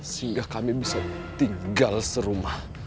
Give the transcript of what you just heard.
sehingga kami bisa tinggal serumah